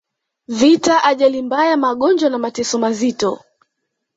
vita ajali mbaya magonjwa na mateso mazito